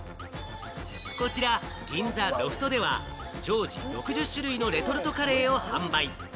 こちら、銀座ロフトでは常時６０種類のレトルトカレーを販売。